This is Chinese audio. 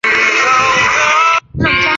由于故事与电视版多所不同。